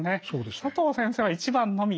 佐藤先生は①番のみ。